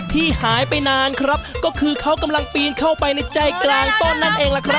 ที่หายไปนานครับก็คือเขากำลังปีนเข้าไปในใจกลางต้นนั่นเองล่ะครับ